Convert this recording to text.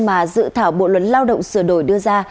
mà dự thảo bộ luật lao động sửa đổi đưa ra